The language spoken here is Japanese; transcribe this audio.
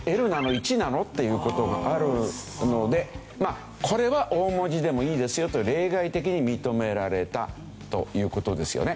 １なの？」っていう事があるのでまあこれは大文字でもいいですよと例外的に認められたという事ですよね。